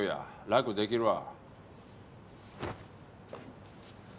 楽できるわ。